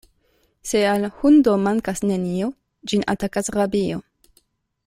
Se al hundo mankas nenio, ĝin atakas rabio.